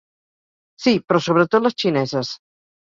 Sí, però sobretot les xineses.